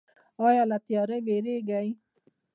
ایا له تیاره ویریږئ؟